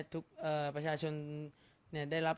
สงฆาตเจริญสงฆาตเจริญ